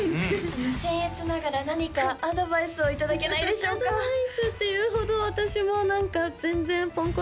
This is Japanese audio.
せんえつながら何かアドバイスをいただけないでしょうかアドバイスっていうほど私も何か全然ポンコツなんですけど